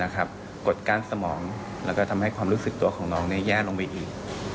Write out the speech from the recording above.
กดกั้นสมองแล้วก็ทำให้ความรู้สึกตัวของน้องแย่ลงไปอีก